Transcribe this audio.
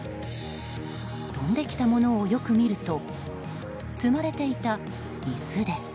飛んできたものをよく見ると積まれていた椅子です。